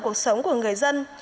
cuộc sống của người dân